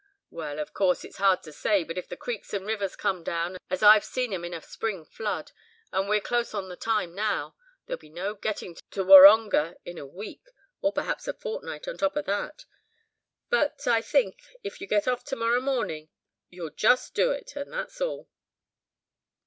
"Well, of course, it's hard to say, but if the creeks and rivers come down, as I've seen 'em in a spring flood, and we're close on the time now, there'll be no getting to Warongah in a week, or perhaps a fortnight on top of that. But I think, if you get off to morrow morning, you'll just do it, and that's all."